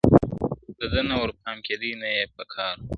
• د ده نه ورپام کېدی نه یې په کار وو -